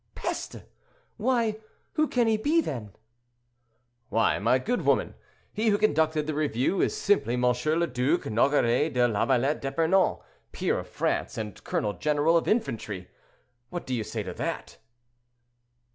"Peste! why, who can he be, then?" "Well, my good woman, he who conducted the review is simply Monsieur le Duc Nogaret de Lavalette d'Epernon, peer of France, and colonel general of infantry. What do you say to that?"